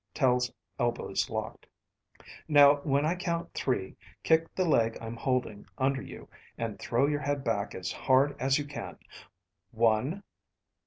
Tel's elbows locked. "Now when I count three, kick the leg I'm holding under you and throw your head back as hard as you can. One